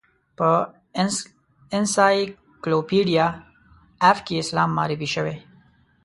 په انسایکلوپیډیا آف اسلام کې معرفي شوې.